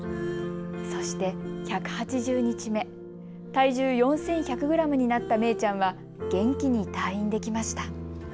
そして、１８０日目、体重４１００グラムになっためいちゃんは元気に退院できました。